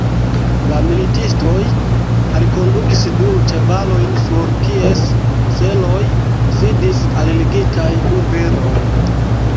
La militistoj alkondukis du ĉevalojn, sur kies seloj sidis alligitaj du viroj.